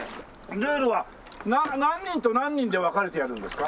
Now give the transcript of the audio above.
ルールは何人と何人で分かれてやるんですか？